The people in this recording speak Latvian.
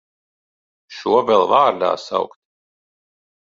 Šo vēl vārdā saukt!